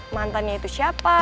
mantannya itu siapa